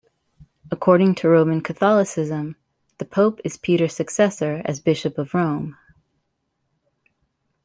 According to Roman Catholicism, the pope is Peter's successor as Bishop of Rome.